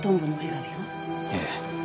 ええ。